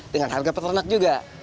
dengan harga peternak juga